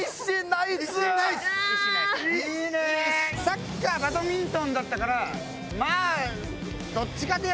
サッカーバドミントンだったからまあ。